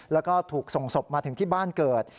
แล้วก็ถูกส่งศพมาถึงที่บ้านเกิด